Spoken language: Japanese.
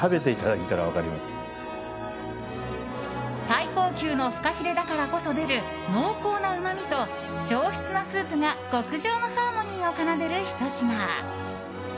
最高級のフカヒレだからこそ出る、濃厚なうまみと上質なスープが極上のハーモニーを奏でるひと品。